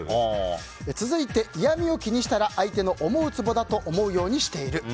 続いて、嫌味を気にしたら相手の思うつぼだと思うようにしている。